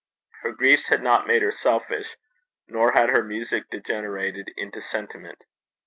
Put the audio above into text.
Her griefs had not made her selfish, nor had her music degenerated into sentiment.